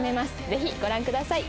ぜひご覧ください。